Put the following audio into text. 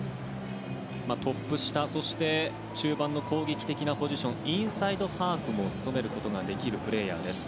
トップ下、そして中盤の攻撃的なポジションインサイドハーフを務めることもできるプレーヤーです。